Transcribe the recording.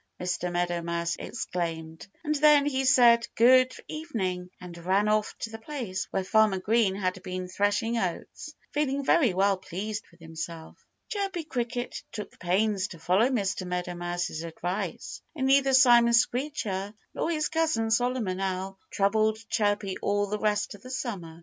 Mr. Meadow Mouse exclaimed. And then he said good evening and ran off to the place where Farmer Green had been threshing oats, feeling very well pleased with himself. Chirpy Cricket took pains to follow Mr. Meadow Mouse's advice. And neither Simon Screecher nor his cousin Solomon Owl troubled Chirpy all the rest of the summer.